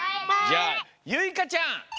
じゃあゆいかちゃん。